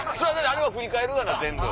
あれは振り返るがな全部。